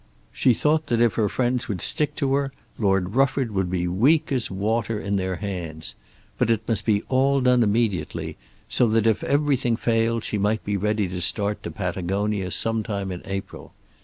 She thought that if her friends would stick to her, Lord Rufford would be weak as water in their hands. But it must be all done immediately, so that if everything failed she might be ready to start to Patagonia some time in April.